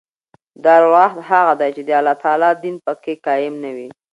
دارالعهد هغه دئ، چي د الله تعالی دین په کښي قایم نه يي.